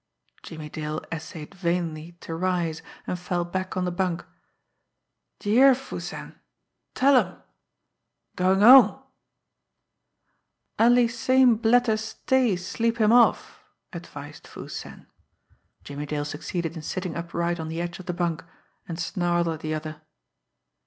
Jimmie Dale essayed vainly to rise, and fell back on the bunk. "D'ye hear, Foo Sen tell'em! Goin' home!" "Alee same bletter stay sleep him off," advised Foo Sen. Jimmie Dale succeeded in sitting upright on the edge of the bunk and snarled at the other.